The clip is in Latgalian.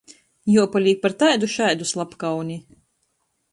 Juopalīk par taidu šaidu slapkauni.